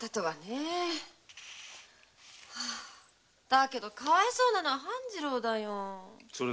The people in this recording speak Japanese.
だけどかわいそうなのは半次郎だよ。